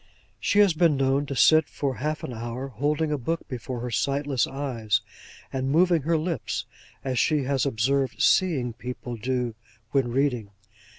She has been known to sit for half an hour, holding a book before her sightless eyes, and moving her lips, as she has observed seeing people do when reading.